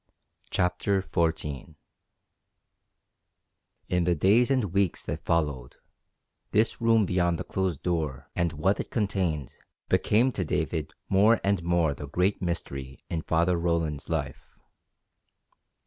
CHAPTER XIV In the days and weeks that followed, this room beyond the closed door, and what it contained, became to David more and more the great mystery in Father Roland's life.